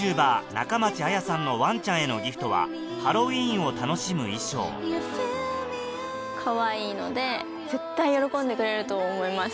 中町綾さんのワンちゃんへのギフトはハロウィーンを楽しむ衣装カワイイので絶対喜んでくれると思います。